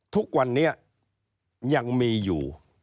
ทุกวันนี้ยังมีอยู่